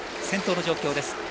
先頭の状況です。